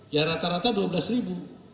ya rata rata rp dua belas